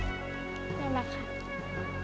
ได้มาค่ะ